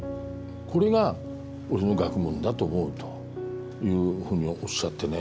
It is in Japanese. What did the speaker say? これが俺の学問だと思うというふうにおっしゃってね。